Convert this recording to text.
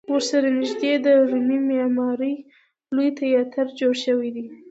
ورسره نږدې د رومي معمارۍ لوی تیاتر جوړ شوی دی.